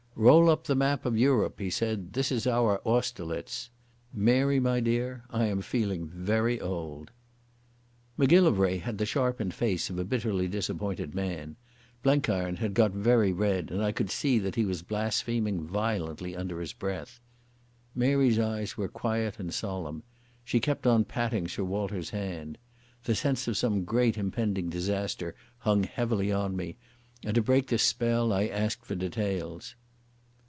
"Roll up the map of Europe," he said. "This is our Austerlitz. Mary, my dear, I am feeling very old." Macgillivray had the sharpened face of a bitterly disappointed man. Blenkiron had got very red, and I could see that he was blaspheming violently under his breath. Mary's eyes were quiet and solemn. She kept on patting Sir Walter's hand. The sense of some great impending disaster hung heavily on me, and to break the spell I asked for details.